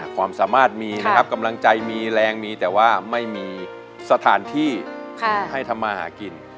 ความสามารถมีนะครับกำลังใจมีแรงมีแต่ว่าไม่มีสถานที่ให้ทำมาหากิน